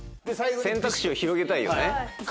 選択肢を広げたいよね。